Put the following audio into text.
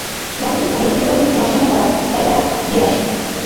যাতে তিনি তাদের কৃতকর্মের কিছু আস্বাদন করান এবং যাতে তারা ফিরে আসে।